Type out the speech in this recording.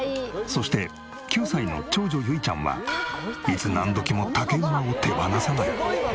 そして９歳の長女ゆいちゃんはいつ何時も竹馬を手放さない。